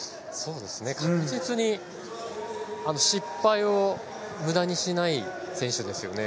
確実に失敗を無駄にしない選手ですよね。